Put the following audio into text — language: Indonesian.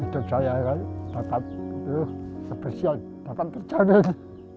itu saya akan tetap persiap tetap percaya